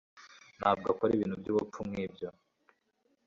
Ntabwo akora ibintu byubupfu nkibyo